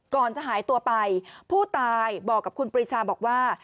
ก่อนจะหายตัวไปผู้ตายบอกกับคุณปริชาบอกว่า